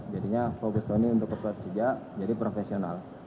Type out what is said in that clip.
jadinya fokus tony untuk persija jadi profesional